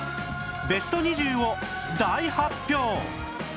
ベスト２０を大発表！